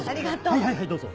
はいはいはいどうぞ。